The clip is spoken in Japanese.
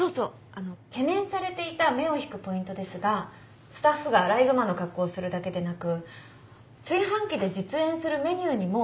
あの懸念されていた目を引くポイントですがスタッフがアライグマの格好をするだけでなく炊飯器で実演するメニューにも工夫をするのはどうでしょうか？